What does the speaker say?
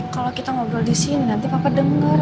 kalau kita ngobrol di sini nanti papa dengar